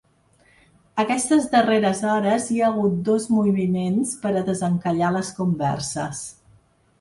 Aquestes darreres hores hi ha hagut dos moviments per a desencallar les converses.